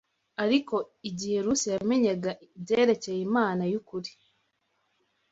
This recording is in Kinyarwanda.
Arik, igihe Rusi yamenyaga ibyerekeye Imana y’ukuri